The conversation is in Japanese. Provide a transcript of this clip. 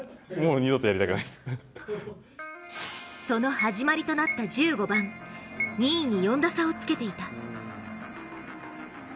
その始まりとなった１５番２位に４打差をつけていた。